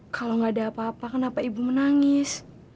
kalau nggak ada apa apa kenapa ibu menangis